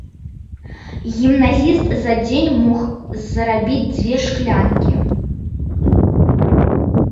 Гімназіст за дзень мог зарабіць дзве шклянкі.